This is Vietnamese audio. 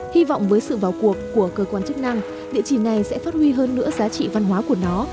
hy vọng với sự vào cuộc của cơ quan chức năng địa chỉ này sẽ phát huy hơn nữa giá trị văn hóa của nó